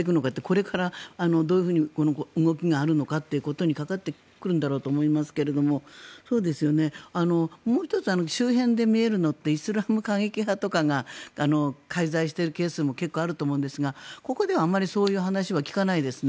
これからどういうふうに動きがあるのかということにかかってくるんだろうと思うんですけどもう１つ、周辺で見えるのってイスラム過激派とかが介在しているケースも結構あると思うんですがここではあまりそういう話は聞かないですね。